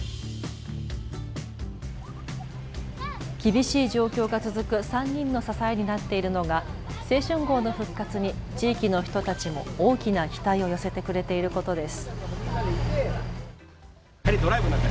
厳しい状況が続く３人の支えになっているのが青春号の復活に地域の人たちも大きな期待を寄せてくれていることです。